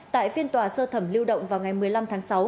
tại phiên tòa sơ thẩm lưu động vào ngày một mươi năm tháng sáu